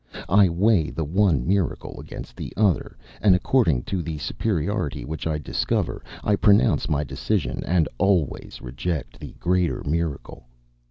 I weigh the one miracle against the other; and according to the superiority which I discover, I pronounce my decision, and always reject the greater miracle.